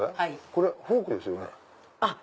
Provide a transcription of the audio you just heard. これフォークですよね。